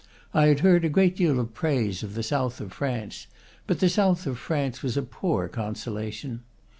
I had heard a great deal of praise of the south of France; but the south of France was a poor consolation.